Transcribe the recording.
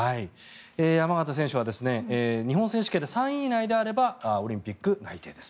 山縣選手は日本選手権で３位以内であればオリンピック内定です。